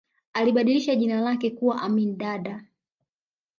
alibadilisha jina lake kuwa amin dada